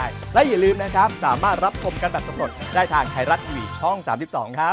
ยังดูอีกตัวนึงดู